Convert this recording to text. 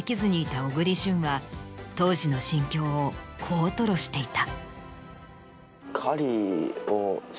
当時の心境をこう吐露していた。